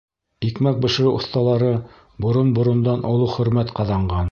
Икмәк бешереү оҫталары борон-борондан оло хөрмәт ҡаҙанған.